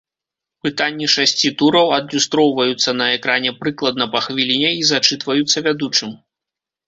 Пытанні шасці тураў адлюстроўваюцца на экране прыкладна па хвіліне і зачытваюцца вядучым.